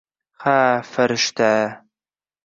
-Ha, farishta!